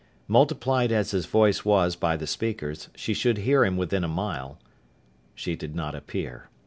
Multiplied as his voice was by the speakers, she should hear him within a mile. She did not appear.